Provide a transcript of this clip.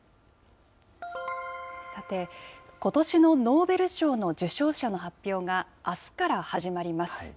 さて、ことしのノーベル賞の受賞者の発表が、あすから始まります。